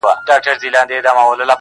• وروسته چیري ځي په هیڅ نه یم خبره -